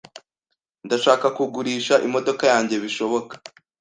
Ndashaka kugurisha imodoka yanjye bishoboka.